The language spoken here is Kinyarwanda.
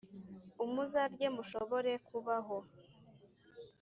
umuzarye mushobore kubaho,